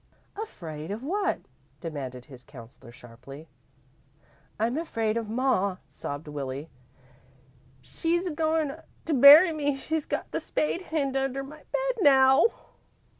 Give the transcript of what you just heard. "Afraid of what?" demanded his counsellor, sharply. "I'm afraid of ma," sobbed Willie. "She's a goin' to bury me. She's got the spade hid under my bed now."